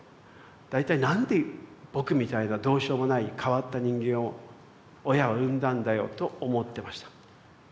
大体なんで僕みたいなどうしようもない変わった人間を親は産んだんだよと思ってました。